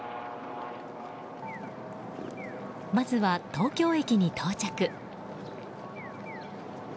まずは、東京駅に到着。